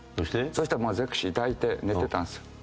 そしたら『ゼクシィ』抱いて寝てたんですよ。